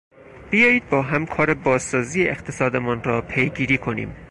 بیایید با هم کار بازسازی اقتصادمان را پیگیری کنیم.